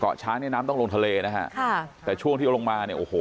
ช้างเนี่ยน้ำต้องลงทะเลนะฮะค่ะแต่ช่วงที่เอาลงมาเนี่ยโอ้โห